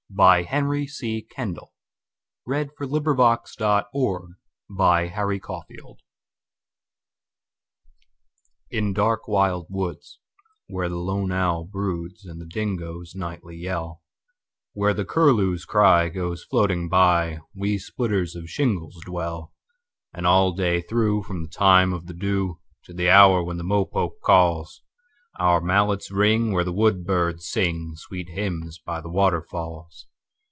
By Henry C. Kendall 27 . Song of the Shingle Splitters IN dark wild woods, where the lone owl broodsAnd the dingoes nightly yell—Where the curlew's cry goes floating by, We splitters of shingles dwell. And all day through, from the time of the dewTo the hour when the mopoke calls, Our mallets ring where the woodbirds singSweet hymns by the waterfalls.